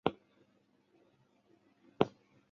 云南獐牙菜为龙胆科獐牙菜属下的一个种。